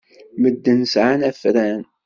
Medden sɛan afran.